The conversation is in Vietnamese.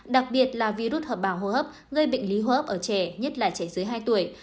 đặc biệt là virus hợp bào hô hấp gây bệnh lý hô hấp ở trẻ nhất là trẻ dưới hai tuổi